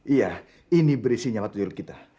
iya ini beri sinyalat tujuan kita